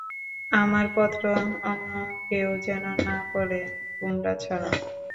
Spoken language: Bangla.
আমার পত্র অন্য কেউ যেন না পড়ে, তোমরা ছাড়া।